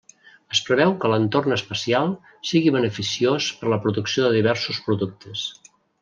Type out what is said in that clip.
Es preveu que l'entorn espacial sigui beneficiós per a la producció de diversos productes.